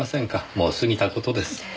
もう過ぎた事です。